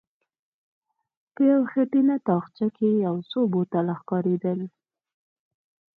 په يوه خټينه تاخچه کې څو بوتله ښکارېدل.